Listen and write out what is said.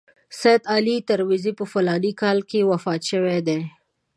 سید علي ترمذي په فلاني کال کې وفات شوی دی.